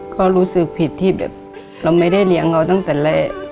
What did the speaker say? ก็รู้สึกผิดที่แบบเราไม่ได้เลี้ยงเขาตั้งแต่แรก